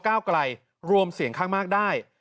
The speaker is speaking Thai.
ก้าวไกลรวมเสียงข้างมากได้